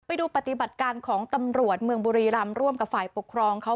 ไปดูปฏิบัติการของตำรวจเมืองบุรีรำร่วมกับฝ่ายปกครองเขา